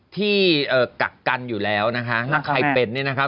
กักกันอยู่แล้วนะคะถ้าใครเป็นเนี่ยนะครับ